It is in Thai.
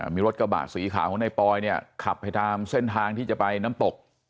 มีรถกระบะสีขาวของในปอยเนี่ยขับไปตามเส้นทางที่จะไปน้ำตก